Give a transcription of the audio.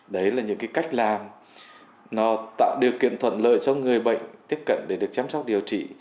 đấy là những cái cách làm nó tạo điều kiện thuận lợi cho người bệnh tiếp cận để được chăm sóc điều trị